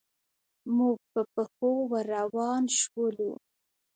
موږ په پښو ور روان شولو.